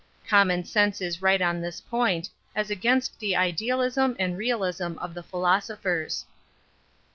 Com mon sense is right on this point, aa against the idealism and realism of the philosophers.